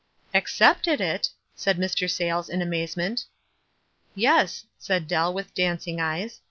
"Accepted it!" said Mr. Sayles, in amaze ment. "Yes," said Dell, with dancing eyes.